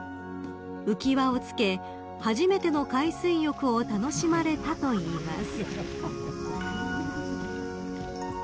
［浮き輪を着け初めての海水浴を楽しまれたといいます］